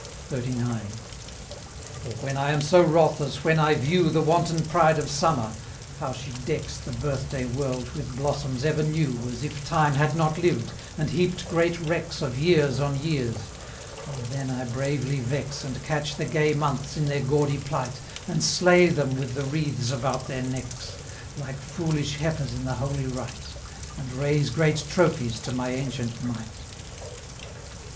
XXXIX. "Or when am I so wroth as when I view The wanton pride of Summer; how she decks The birthday world with blossoms ever new, As if Time had not lived, and heap'd great wrecks Of years on years? O then I bravely vex And catch the gay Months in their gaudy plight, And slay them with the wreaths about their necks, Like foolish heifers in the holy rite, And raise great trophies to my ancient might."